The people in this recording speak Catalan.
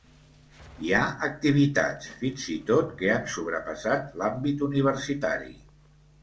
Hi ha activitats, fins i tot, que han sobrepassat l’àmbit universitari.